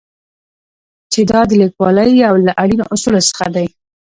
چې دا د لیکوالۍ یو له اړینو اصولو څخه دی.